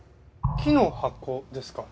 木の箱ですか？